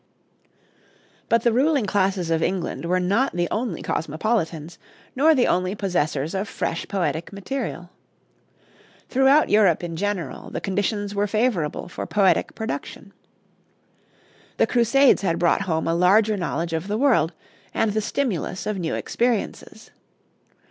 But the ruling classes of England were not the only cosmopolitans, nor the only possessors of fresh poetic material. Throughout Europe in general, the conditions were favorable for poetic production. The Crusades had brought home a larger knowledge of the world, and the stimulus of new experiences.